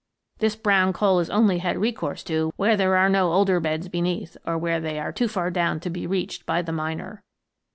This brown coal is only had recourse to where there are no older beds beneath, or where they are too far down to be reached by the miner.